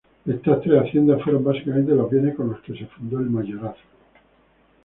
Estas tres haciendas fueron básicamente los bienes con los que se fundó el mayorazgo.